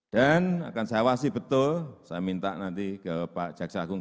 dan akan saya wasi betul saya minta nanti ke pak jaksa agung